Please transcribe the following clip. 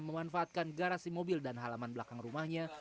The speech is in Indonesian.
memanfaatkan garasi mobil dan halaman belakang rumahnya